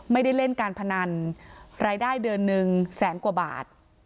ไม่ได้เล่นการพนันรายได้เดือนหนึ่งแสนกว่าบาท